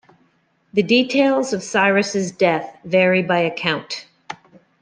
The details of Cyrus's death vary by account.